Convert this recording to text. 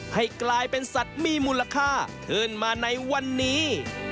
ให้กลายเป็นสัตว์มีมูลค่าขึ้นมาในวันนี้